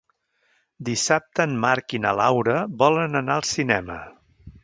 Dissabte en Marc i na Laura volen anar al cinema.